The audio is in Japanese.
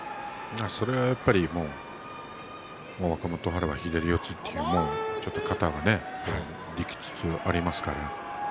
それは、やっぱり若元春は左四つというものが型ができつつありますからね。